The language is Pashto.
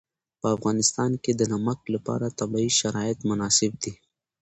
په افغانستان کې د نمک لپاره طبیعي شرایط مناسب دي.